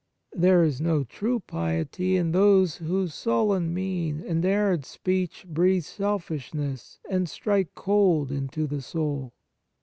There is no true piety in those whose sullen mien and arid speech breathe selfishness and strike cold into the soul.